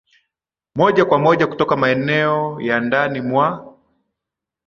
moja kwa moja kutoka maeneo ya ndani mwa